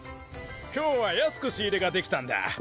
今日は安く仕入れができたんだ。